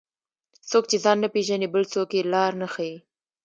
څوک چې ځان نه پیژني، بل څوک یې لار نه ښيي.